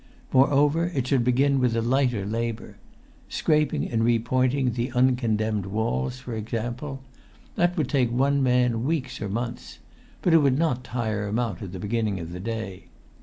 Moreover, it should begin with the lighter labour: scraping and repointing the uncondemned walls, for example; that would take one man weeks or months; but it would not tire him out at the beginning of the day.